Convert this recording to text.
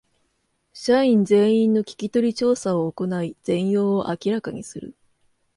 社員全員の聞き取り調査を行い全容を明らかにする